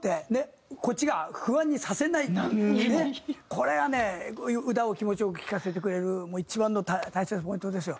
これはね歌を気持ちよく聴かせてくれるもう一番の大切なポイントですよ。